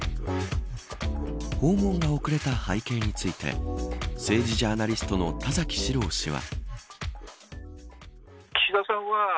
訪問が遅れた背景について政治ジャーナリストの田崎史郎氏は。